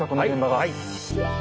はい。